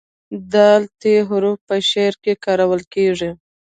د "ت" حرف په شعر کې کارول کیږي.